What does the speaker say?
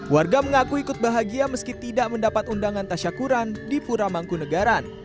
warga mengaku ikut bahagia meski tidak mendapat undangan tasyakuran di pura mangkunegaran